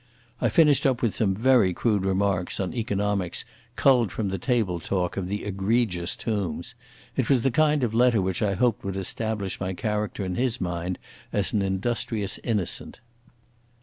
I finished up with some very crude remarks on economics culled from the table talk of the egregious Tombs. It was the kind of letter which I hoped would establish my character in his mind as an industrious innocent.